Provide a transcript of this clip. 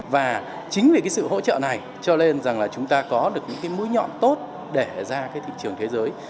và chính vì sự hỗ trợ này cho nên chúng ta có được những mũi nhọn tốt để ra thị trường thế giới